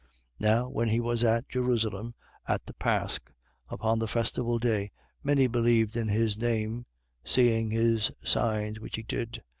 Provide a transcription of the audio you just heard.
2:23. Now when he was at Jerusalem, at the pasch, upon the festival day, many believed in his name, seeing his signs which he did.